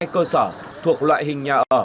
một trăm năm mươi hai cơ sở thuộc loại hình nhà ở